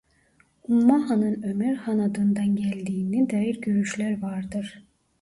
Umma Han'ın Ömer Han adından geldiğine dair görüşler vardır.